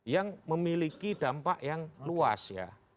yang memiliki dampak yang luas ya